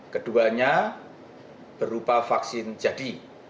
keduanya berupa vaksin jadi